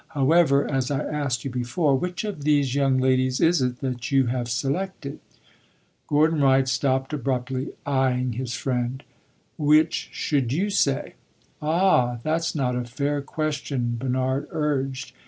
However, as I asked you before, which of these young ladies is it that you have selected?" Gordon Wright stopped abruptly, eying his friend. "Which should you say?" "Ah, that 's not a fair question," Bernard urged.